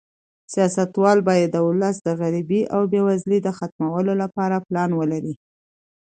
سیاستوال باید د ولس د غریبۍ او بې وزلۍ د ختمولو لپاره پلان ولري.